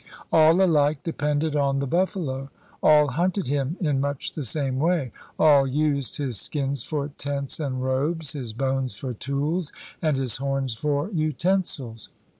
All alike depended on the buffalo; all hunted him in much the same way; all used his skins for tents and robes, his bones for tools, and" his horns for utensils.